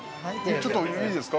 ◆ちょっと、いいですか。